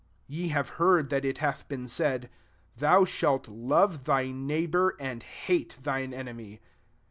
43 "Ye have heard that it hath been said, ' Thou shalt love tby neighbour, and hate thine meoiy.'